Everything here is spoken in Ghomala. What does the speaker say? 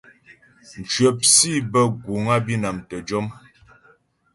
Mcwəp sǐ bə́ guŋ á Bǐnam tə́ jɔm.